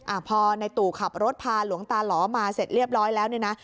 อ่าพอในตู่ขับรถพาหลวงตาหล่อมาเสร็จเรียบร้อยแล้วเนี่ยนะ